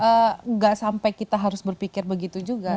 tidak sampai kita harus berpikir begitu juga